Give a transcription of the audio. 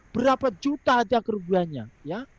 berapa juta hati hati kerugiannya ya